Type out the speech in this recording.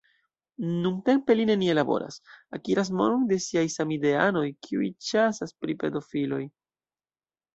Nuntempe li nenie laboras, akiras monon de siaj samideanoj, kiuj ĉasas pri pedofiloj.